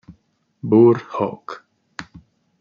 Burr Oak